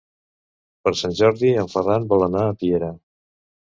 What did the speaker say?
Per Sant Jordi en Ferran vol anar a Piera.